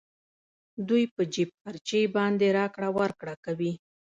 دوی په جېب خرچې باندې راکړه ورکړه کوي